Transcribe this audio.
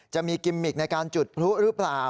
จะมีกิมมิกในการจุดพลุหรือเปล่า